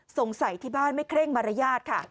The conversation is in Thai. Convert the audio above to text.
สงสัยที่บ้านไม่เคร่งมรยาท